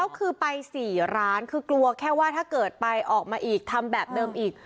ก็คือไป๔ร้านคือกลัวแค่ว่าถ้าเกิดไปออกมาอีกทำแบบเดิมอีก